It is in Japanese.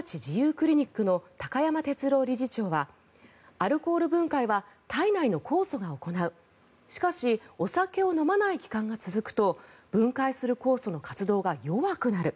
クリニックの高山哲朗理事長はアルコール分解は体内の酵素が行うしかしお酒を飲まない期間が続くと分解する酵素の活動が弱くなる。